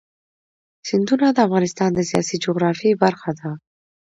سیندونه د افغانستان د سیاسي جغرافیه برخه ده.